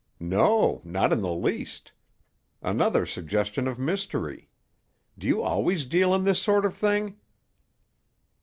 "No, not in the least. Another suggestion of mystery. Do you always deal in this sort of thing?"